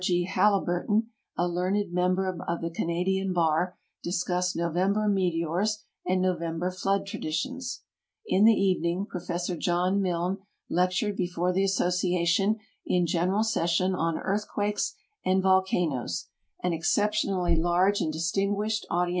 G. Haliburton, a learned member of the Canadian Bar, discussed November Meteors and Novem ber Flood Traditions. In the evening Prof. John Milne lectured before the Association in general session on Earthquakes and THE UNMAPPED AREAS ON THE EARTIPS SVIIFACE JM Volcanoes, an exceptionally lar e an.l distinguisluMl uu.li.